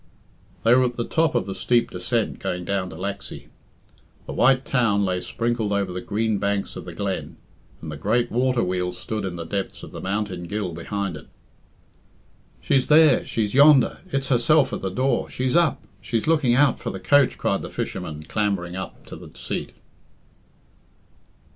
They were at the top of the steep descent going down to Laxey. The white town lay sprinkled over the green banks of the glen, and the great water wheel stood in the depths of the mountain gill behind it. "She's there! She's yonder! It's herself at the door. She's up. She's looking out for the coach," cried the fisherman, clambering up on to the seat.